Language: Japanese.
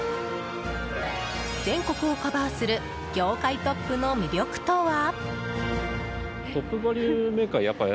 全国をカバーする業界トップの魅力とは。